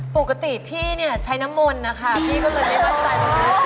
ปกติพี่เนี่ยใช้น้ำมนต์นะคะพี่ก็เรียบร้อย